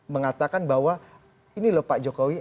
mengatakan bahwa ini loh pak jokowi